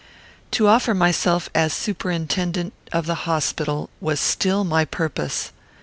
To offer myself as a superintendent of the hospital was still my purpose.